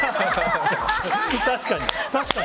確かに。